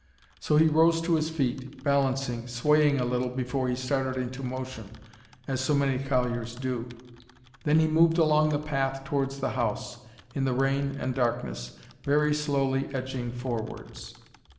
So he rose to his feet, balancing, swaying a little before he started into motion, as so many colliers do. Then he moved along the path towards the house, in the rain and darkness, very slowly edging forwards.